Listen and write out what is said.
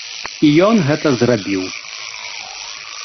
І ён гэта зрабіў.